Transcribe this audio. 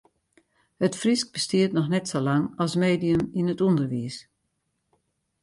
It Frysk bestiet noch net sa lang as medium yn it ûnderwiis.